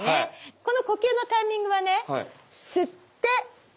この呼吸のタイミングはね吸って吐いて止める。